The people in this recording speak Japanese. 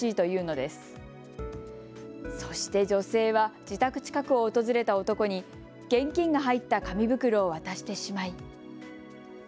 そして女性は自宅近くを訪れた男に現金が入った紙袋を渡してしまい。